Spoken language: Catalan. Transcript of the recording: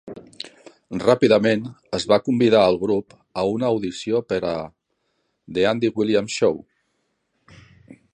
Ràpidament es va convidar el grup a una audició per a "The Andy Williams Show".